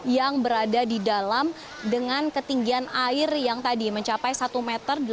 yang berada di dalam dengan ketinggian air yang tadi mencapai satu delapan puluh m